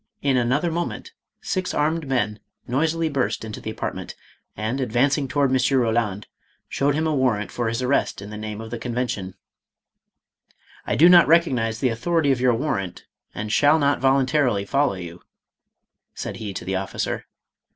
In an other moment six armed men noisily burst into the 510 MADAME ROLAND. apartment, and advancing towards M. Roland, showed him a warrant for Jiis arrest in the name of the Con vention. " I do not recognize the authority of your warrant, and shall not voluntarily follow you," said he to the officer.